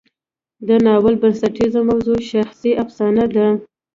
د ناول بنسټیزه موضوع شخصي افسانه ده.